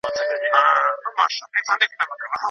خواږه هم متوازن کېږي.